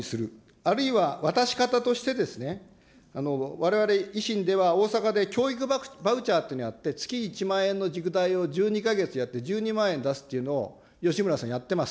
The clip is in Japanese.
あるいは渡し方として、われわれ、維新では大阪で教育バウチャーっていうのをやって、月１万円の塾代を１２か月やって、１２万円出すっていうのを吉村さん、やってます。